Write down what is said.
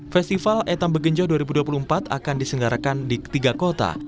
festival etam begenjo dua ribu dua puluh empat akan disenggarakan di ketiga kota